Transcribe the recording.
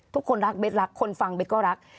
ทุกคนรักเบสรักคนฟังเบสก็รัก